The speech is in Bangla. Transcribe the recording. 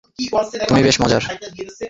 তুমি বেশ মজার।